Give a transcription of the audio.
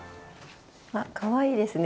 あかわいいですね